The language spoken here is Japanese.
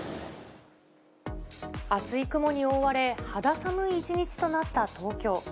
厚い雲に覆われ、肌寒い一日となった東京。